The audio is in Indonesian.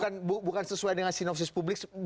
jadi bukan sesuai dengan sinopsis publik